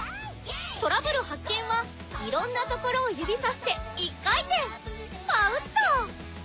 トラブル発見はいろんなところを指さして１回転パウっと！